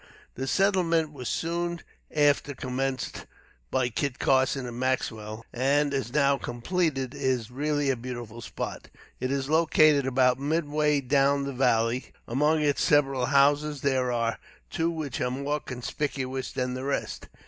The settlement was soon after commenced by Kit Carson and Maxwell, and, as now completed, is really a beautiful spot. It is located about midway down the valley. Among its several houses, there are two which are more conspicuous than the rest.